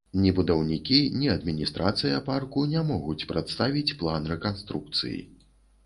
Ні будаўнікі, ні адміністрацыя парку не могуць прадставіць план рэканструкцыі.